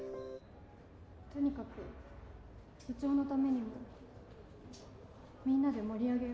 とにかく部長のためにもみんなで盛り上げよう。